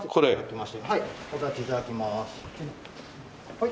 はい。